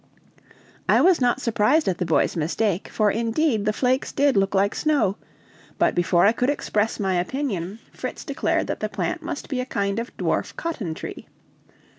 I was not surprised at the boy's mistake, for indeed the flakes did look like snow; but before I could express my opinion, Fritz declared that the plant must be a kind of dwarf cotton tree.